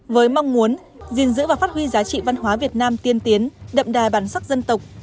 với mong muốn gìn giữ và phát huy giá trị văn hóa việt nam tiên tiến đậm đà bản sắc dân tộc